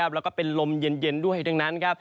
แล้วก็เป็นลมเย็นด้วยดังนั้นครับ